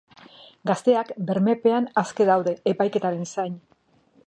Gazteak bermepean aske daude, epaiketaren zain.